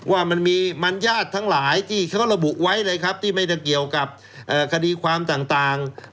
ว่ามันมีมัญญาติทั้งหลายที่เขาระบุไว้เลยครับที่ไม่ได้เกี่ยวกับคดีความต่าง